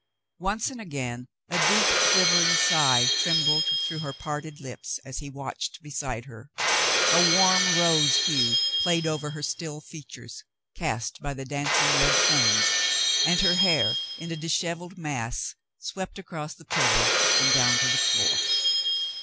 Once and again a deep quivering sigh trembled through her parted lips, as he watched beside her. A warm rose hue played over her still features, cast by the dancing red flames, and her hair in a dishevelled mass swept across the pillow and down to the floor.